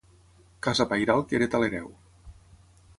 Casa pairal que hereta l'hereu.